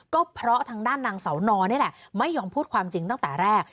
ก็เพราะทางด้านนางเสานอนี่แหละไม่ยอมพูดความจริงตั้งแต่แรก